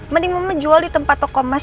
mending mama jual di tempat toko emas